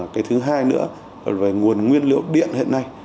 cái thứ hai nữa về nguồn nguyên liệu điện hiện nay